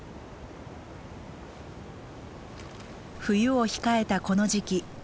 冬を控えたこの時期